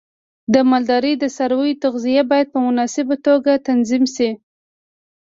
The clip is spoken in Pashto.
د مالدارۍ د څارویو تغذیه باید په مناسبه توګه تنظیم شي.